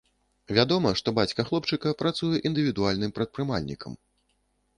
Вядома, што бацька хлопчыка працуе індывідуальным прадпрымальнікам.